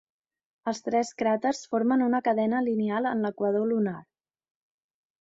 Els tres cràters formen una cadena lineal en l'equador lunar.